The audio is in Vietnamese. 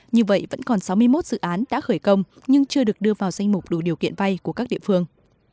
như vậy vẫn còn sáu mươi một dự án đã khởi công nhưng chưa được đưa vào danh mục đủ điều kiện vay của các địa phương